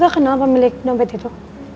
kakak kenal apa milik dompet itu